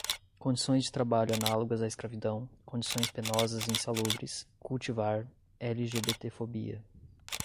Condições de trabalho análogas à escravidão, condições penosas e insalubres, cultivar, lgbtfobia